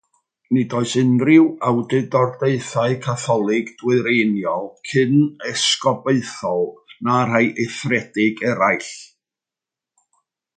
Nid oes unrhyw awdurdodaethau Catholig Dwyreiniol, cyn-esgobaethol na rhai eithriedig eraill.